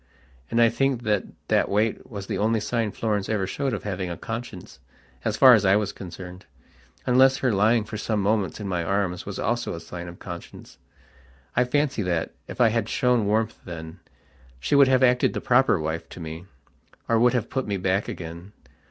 And I think that that wait was the only sign Florence ever showed of having a conscience as far as I was concerned, unless her lying for some moments in my arms was also a sign of conscience. I fancy that, if I had shown warmth then, she would have acted the proper wife to me, or would have put me back again.